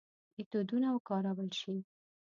میتودونه وکارول شي.